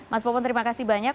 mas popon terima kasih banyak